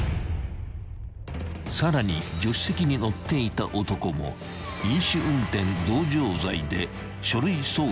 ［さらに助手席に乗っていた男も飲酒運転同乗罪で書類送検された］